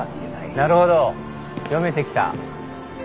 なるほど読めてきた。